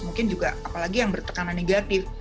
mungkin juga apalagi yang bertekanan negatif